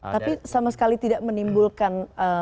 tapi sama sekali tidak menimbulkan